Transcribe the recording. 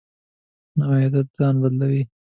نوی عادت ځان بدلوي